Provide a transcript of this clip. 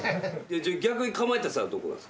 逆にかまいたちさんはどこなんすか？